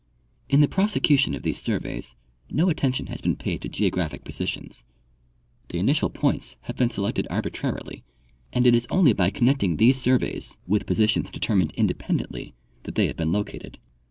In the prosecution of these surveys no attention has been paid to geographic positions. The initial points have been selected arbitrarily, and it is only by connecting these surveys with posi 108 Henry Gannett — Mother Maj^s of the United States. tions determined independently that they have been located.